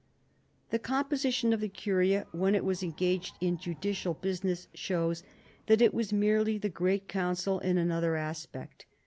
The composition of the curia, when it was engaged in judicial business, shows that it was merely the great council in another aspect.